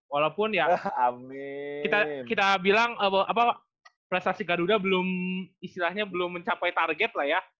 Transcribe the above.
walaupun ya kita bilang prestasi garuda belum istilahnya belum mencapai target lah ya